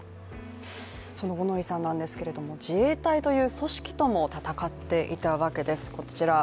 五ノ井さんなんですが、自衛隊という組織とも闘っていたわけです。